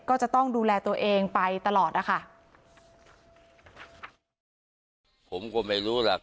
ก็จะต้องดูแลตัวเองไปตลอดครับ